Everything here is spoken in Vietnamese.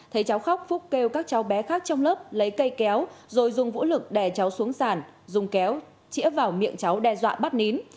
thấy cháu khóc phúc kêu các cháu bé khác trong lớp lấy cây kéo rồi dùng vũ lực đè cháu xuống sản dùng kéo chĩa vào miệng cháu đe dọa bắt nín